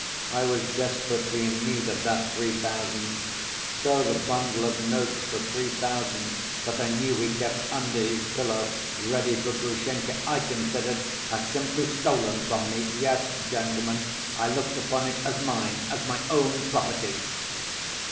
I was desperately in need of that three thousand ... so the bundle of notes for three thousand that I knew he kept under his pillow, ready for Grushenka, I considered as simply stolen from me. Yes, gentlemen, I looked upon it as mine, as my own property...."